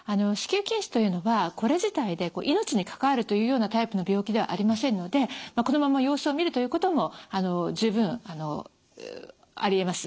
子宮筋腫というのはこれ自体で命に関わるというようなタイプの病気ではありませんのでこのまま様子を見るということも十分ありえます。